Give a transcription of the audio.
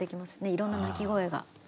いろんな鳴き声が。